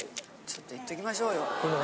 ちょっといっときましょうよ。